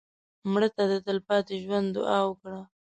مړه ته د تلپاتې ژوند دعا وکړه